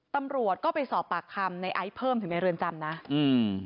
ตำรวจก็ไปสอบปากคำในไอซ์เพิ่มถึงในเรือนจำนะอืม